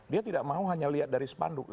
dia tidak mau hanya lihat dari sepanduk